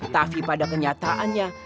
tapi pada kenyataannya